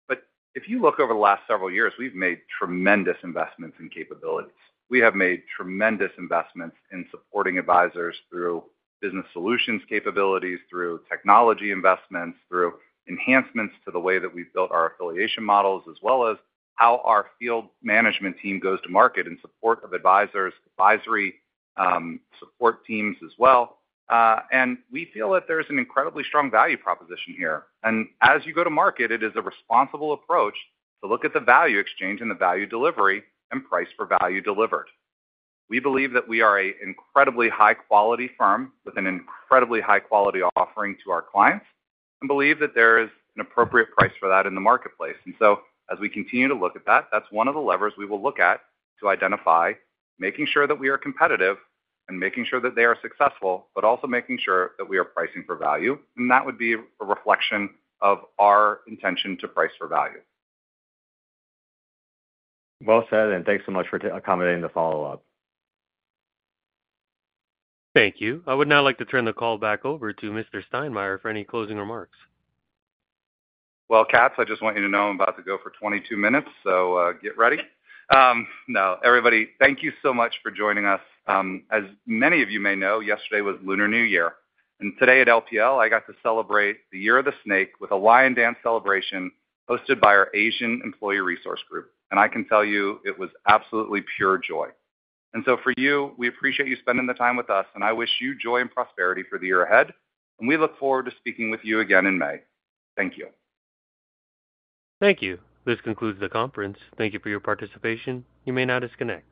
But if you look over the last several years, we've made tremendous investments in capabilities. We have made tremendous investments in supporting advisors through business solutions capabilities, through technology investments, through enhancements to the way that we've built our affiliation models, as well as how our field management team goes to market in support of advisors, advisory support teams as well. We feel that there's an incredibly strong value proposition here. As you go to market, it is a responsible approach to look at the value exchange and the value delivery and price for value delivered. We believe that we are an incredibly high-quality firm with an incredibly high-quality offering to our clients and believe that there is an appropriate price for that in the marketplace. So as we continue to look at that, that's one of the levers we will look at to identify making sure that we are competitive and making sure that they are successful, but also making sure that we are pricing for value. That would be a reflection of our intention to price for value.
Well said. And thanks so much for accommodating the follow-up.
Thank you. I would now like to turn the call back over to Mr. Steinmeier for any closing remarks.
Well, Katz, I just want you to know I'm about to go for 22 minutes, so get ready. No, everybody, thank you so much for joining us. As many of you may know, yesterday was Lunar New Year. And today at LPL, I got to celebrate the Year of the Snake with a Lion Dance celebration hosted by our Asian Employee Resource Group. And I can tell you it was absolutely pure joy. And so for you, we appreciate you spending the time with us, and I wish you joy and prosperity for the year ahead. And we look forward to speaking with you again in May. Thank you.
Thank you. This concludes the conference. Thank you for your participation. You may now disconnect.